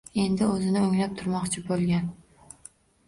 Endi o‘zini o‘nglab turmoqchi bo‘lgan